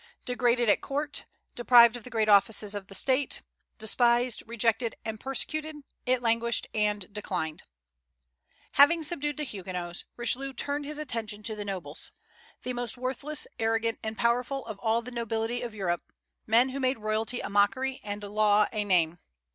Degraded at court, deprived of the great offices of the state, despised, rejected, and persecuted, it languished and declined. Having subdued the Huguenots, Richelieu turned his attention to the nobles, the most worthless, arrogant, and powerful of all the nobility of Europe; men who made royalty a mockery and law a name.